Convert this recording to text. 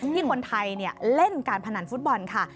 ที่คนไทยเล่นการพนันฟุตบอลค่ะ